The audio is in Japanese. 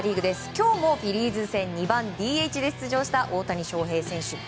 今日もフィリーズ戦２番ＤＨで出場した大谷翔平選手。